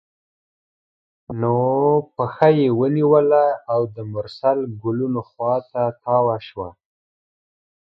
نو پښه یې ونیوله او د مرسل ګلونو خوا ته تاوه شوه.